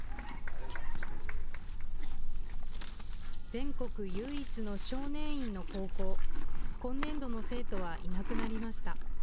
全国唯一の少年院の高校、今年度の生徒はいなくなりました。